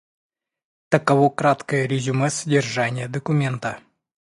Таково краткое резюме содержания документа.